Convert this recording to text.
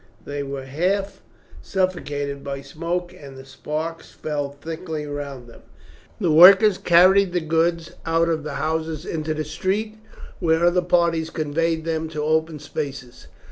They were half suffocated by smoke, and the sparks fell thickly round them. The workers carried the goods out of the houses into the street, where other parties conveyed them to open spaces.